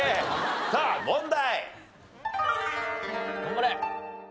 さあ問題。